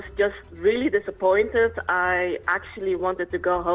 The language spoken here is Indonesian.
sebenarnya saya ingin pulang segera